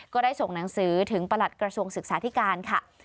ก็ได้ส่งหนังสือถึงประหลัดกระทรวงศึกษาธิการค่ะ